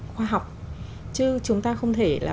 khoa học chứ chúng ta không thể là